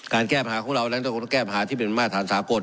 การแก้ภารก์ของเรากูก็แก้ภาคที่เป็นมาสารสาโกน